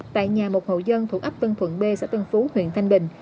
tại nhà một hậu dân thuộc ấp vân thuận b xã tân phú huyện thanh bình